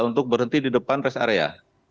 untuk berhenti di depan res area